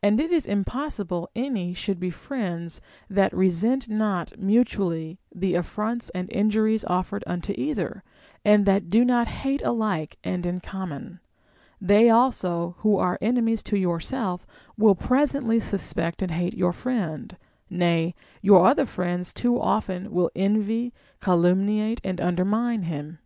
And it is impossible any should be friends that resent not mutually the affronts and injuries offered unto either, and that do not hate alike and in common. They also who are enemies to yourself will presently suspect and hate your friend ; nay, your other friends too will often envy, calumniate, and undermine him.